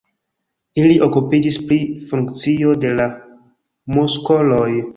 Ili okupiĝis pri funkcio de la muskoloj.